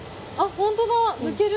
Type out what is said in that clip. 本当だ抜ける。